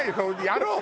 やろう！